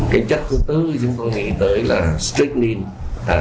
cái chất thứ tư chúng tôi nghĩ tới là streckmine